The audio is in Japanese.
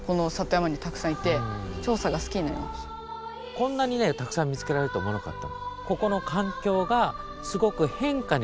こんなにねたくさん見つけられるとは思わなかった。